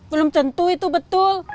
belum tentu itu betul